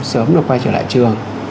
sớm được quay trở lại trường